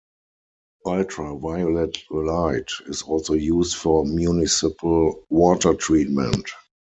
Ultraviolet light is also used for municipal water treatment.